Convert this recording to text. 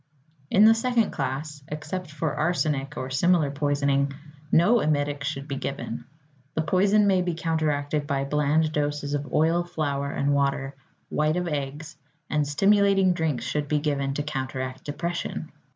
In the second class (except for arsenic or similar poisoning) no emetic should be given. The poison may be counteracted by bland doses of oil, flour, and water, white of eggs; and stimulating drinks should be given to counteract depression.